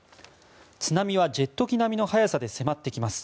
津波はジェット機並みの速さで迫ってきます。